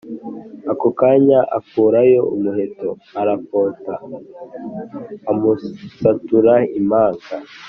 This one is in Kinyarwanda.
akokanya akurayo umuheto arafora amusatura impanga